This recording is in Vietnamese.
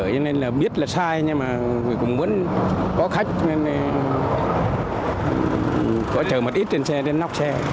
cho nên là biết là sai nhưng mà mình cũng muốn có khách nên là có chở mặt ít trên xe trên nóc xe